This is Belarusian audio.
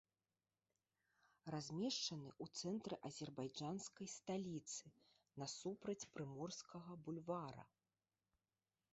Размешчаны ў цэнтры азербайджанскай сталіцы, насупраць прыморскага бульвара.